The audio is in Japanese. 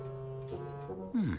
うん。